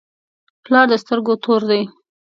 پلار د سترګو تور دی.